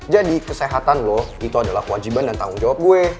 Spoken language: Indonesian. jadi kesehatan lo itu adalah kewajiban dan tanggung jawab gue